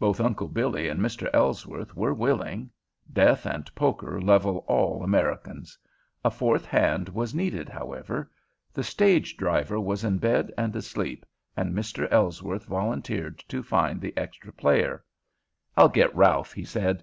Both Uncle Billy and Mr. Ellsworth were willing. Death and poker level all Americans. A fourth hand was needed, however. The stage driver was in bed and asleep, and Mr. Ellsworth volunteered to find the extra player. "I'll get Ralph," he said.